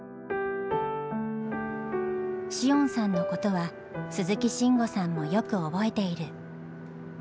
詩音さんのことは鈴木慎吾さんもよく覚えている。